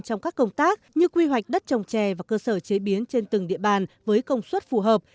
trong các công tác như quy hoạch đất trồng trè và cơ sở chế biến trên từng địa bàn với công suất phù hợp